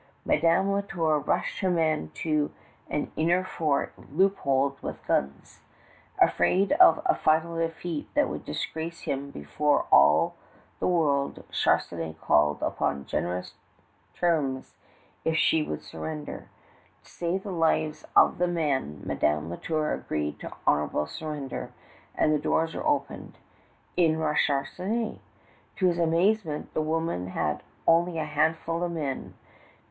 Madame La Tour rushed her men to an inner fort loopholed with guns. Afraid of a final defeat that would disgrace him before all the world, Charnisay called up generous terms if she would surrender. To save the lives of the men Madame La Tour agreed to honorable surrender, and the doors were opened. In rushed Charnisay! To his amazement the woman had only a handful of men.